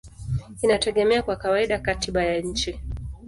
inategemea kwa kawaida katiba ya nchi.